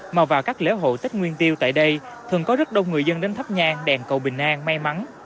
mà vào các lễ hội tết nguyên tiêu tại đây thường có rất đông người dân đến thắp nhan đèn cầu bình an may mắn